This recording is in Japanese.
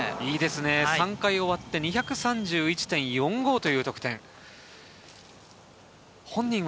３回終わって２３１．４５という得点。